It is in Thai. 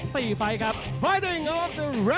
โดยไม่ได้มีระเบิดแบบมือ